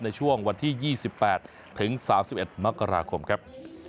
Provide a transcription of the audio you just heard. ในช่วงวันที่๒๘ถึง๓๑มกราคมครับ